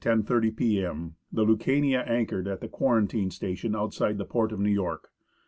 30 p.m., the Lncania anchored at the quarantine station outside the port of New York.